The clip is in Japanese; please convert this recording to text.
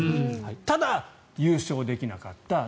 ただ、優勝できなかった。